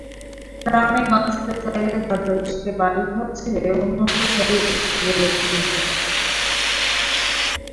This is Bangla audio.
প্রাণে বাঁচতে চাইলে গাজাবাসীকে বাড়িঘর ছেড়ে অন্যত্র সরে পড়তে বলেছে ইসরায়েল।